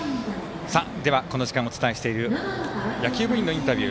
ではこの時間お伝えしている野球部員のインタビュー。